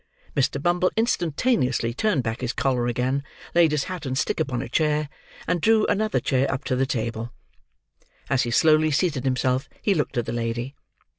Mr. Bumble instantaneously turned back his collar again; laid his hat and stick upon a chair; and drew another chair up to the table. As he slowly seated himself, he looked at the lady.